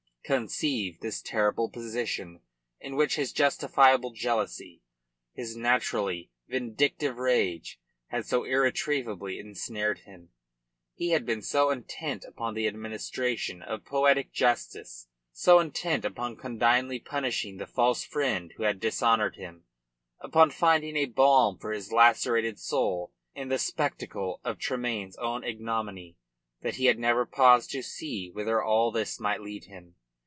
Conceive this terrible position in which his justifiable jealousy his naturally vindictive rage had so irretrievably ensnared him. He had been so intent upon the administration of poetic justice, so intent upon condignly punishing the false friend who had dishonoured him, upon finding a balm for his lacerated soul in the spectacle of Tremayne's own ignominy, that he had never paused to see whither all this might lead him.